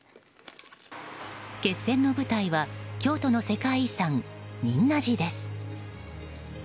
決戦の舞台は京都の世界遺産仁和寺です。